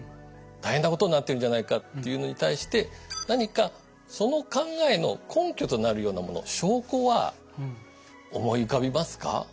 「大変なことになってるんじゃないか」というのに対して何かその考えの根拠となるようなもの証拠は思い浮かびますか？